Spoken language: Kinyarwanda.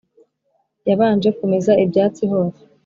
yabanje kumeza ibyatsi hose